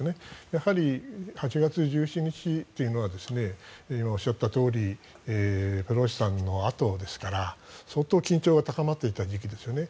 やはり、８月１７日というのは今、おっしゃったとおりペロシさんのあとですから相当緊張が高まっていた時期ですよね。